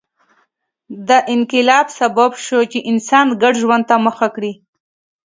دا انقلاب سبب شو چې انسان ګډ ژوند ته مخه کړي